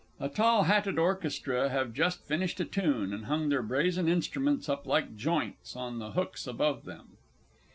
A tall hatted orchestra have just finished a tune, and hung their brazen instruments up like joints on the hooks above them.